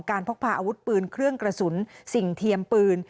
พกพาอาวุธปืนเครื่องกระสุนสิ่งเทียมปืน